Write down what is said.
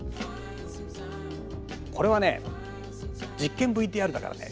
これは実験ＶＴＲだからね